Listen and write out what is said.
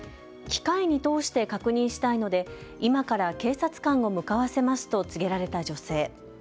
機械に通して確認したいので今から警察官を向かわせますと告げられた女性。